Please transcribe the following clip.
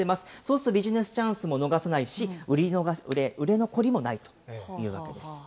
そうするとビジネスチャンスも逃さないし、売れ残りもないというわけです。